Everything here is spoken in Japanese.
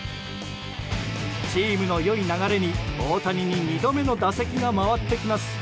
チームの良い流れに大谷に２度目の打席が回ってきます。